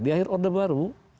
di akhir order baru